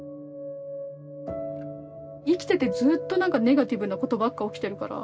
生きててずっとなんかネガティブなことばっか起きてるから。